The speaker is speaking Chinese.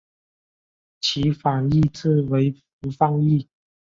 其反义字为不放逸。